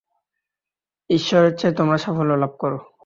ঈশ্বরেচ্ছায় তোমরা সাফল্য লাভ কর।